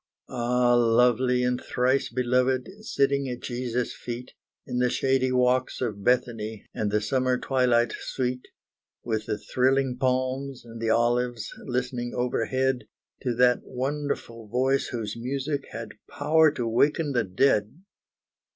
Ah! lovely and thrice beloved, Sitting at Jesus' feet, In the shady walks of Bethany, And the summer twilight sweet, With the thrilling palms and the olives, Listening overhead, To that wonderful voice whose music Had power to waken the dead!